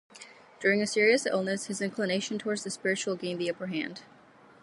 During a serious illness his inclination towards the spiritual gained the upper hand.